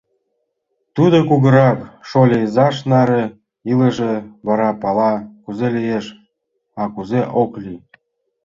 Тудо кугурак, шольо изаж наре илыже, вара пала, кузе лиеш, а кузе ок лий.